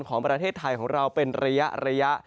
ของประเทศไทยของเราเป็นระยะ